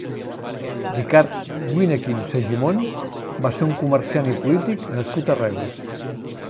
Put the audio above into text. Ricard Wyneken Segimon va ser un comerciant i polític nascut a Reus.